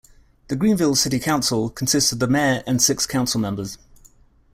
The Greenville City Council consists of the mayor and six council members.